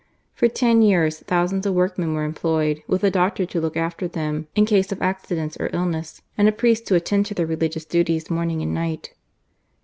For ten years thousands of workmen were ■employed, with a doctor to look after them in case of accidents or illness, and a priest to attend to their religious duties morning and night.